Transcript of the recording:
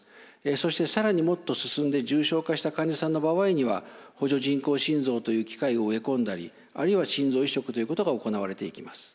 そして更にもっと進んで重症化した患者さんの場合には補助人工心臓という機械を植え込んだりあるいは心臓移植ということが行われていきます。